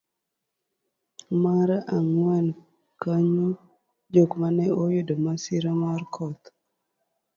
mar ang'wen, konyo jok mane oyudo masira mar koth